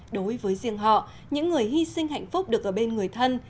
đối với riêng họ những người hy sinh hạnh phúc được ở bên người thân